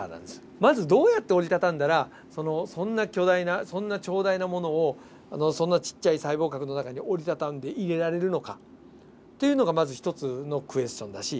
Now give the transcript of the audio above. まずどうやって折りたたんだらそんな巨大な長大なものをそんなちっちゃい細胞核の中に折りたたんで入れられるのかっていうのがまず一つのクエスチョンだし。